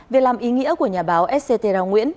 việc làm ý nghĩa của nhà báo etcetera nguyễn